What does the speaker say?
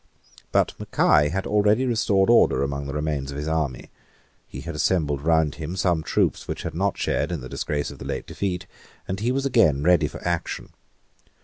But Mackay had already restored order among the remains of his army: he had assembled round him some troops which had not shared in the disgrace of the late defeat; and he was again ready for action.